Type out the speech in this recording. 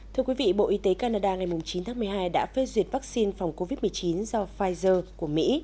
thưa quý vị bộ y tế canada ngày chín tháng một mươi hai đã phê duyệt vaccine phòng covid một mươi chín do pfizer của mỹ